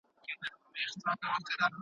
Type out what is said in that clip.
د خپلو توليداتو کيفيت د تخنيک په مټ لوړ کړئ.